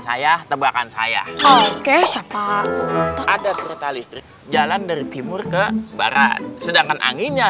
saya tebakan saya oke siapa ada kereta listrik jalan dari timur ke barat sedangkan anginnya